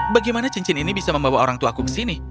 bagaimana cincin ini bisa membawa orang tuaku ke sini